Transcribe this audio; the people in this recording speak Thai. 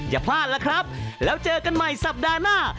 อย่าพลาดล่ะครับแล้วเจอกันใหม่สัปดาห์หน้า